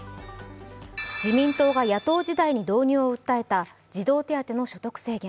自民党が野党時代に導入を訴えた児童手当の所得制限。